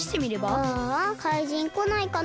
ああかいじんこないかな。